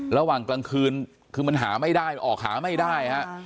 ระหว่างกลางคืนคือมันหาไม่ได้ออกหาไม่ได้ฮะ